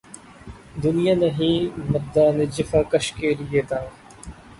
دنیا نہیں مردان جفاکش کے لیے تنگ